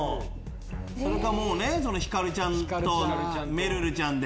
それかもうひかるちゃんとめるるちゃんで。